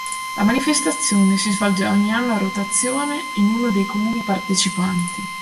La manifestazione si svolge ogni anno a rotazione in uno dei comuni partecipanti.